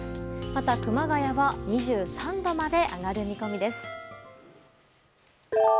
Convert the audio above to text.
また、熊谷は２３度まで上がる見込みです。